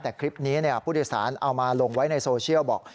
แต่คลิปนี้ผู้โดยสารเอามาลงไว้ในโซเชียลบอก